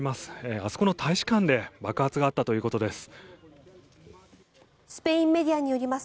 あそこの大使館で爆発があったということです。